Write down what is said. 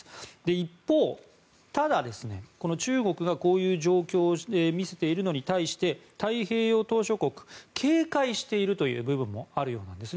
一方、ただ、中国がこういう状況を見せているのに対して太平洋島しょ国警戒しているという部分もあるようです。